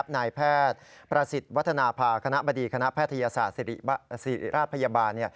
นายแพทย์ประสิทธิ์วัฒนภาคณะบดีคณะแพทยศาสตร์ศิริราชพยาบาล